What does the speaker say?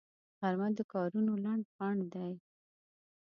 غرمه د کارونو لنډ بند دی